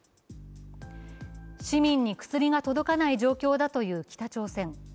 市民に薬が届かない状況だという北朝鮮。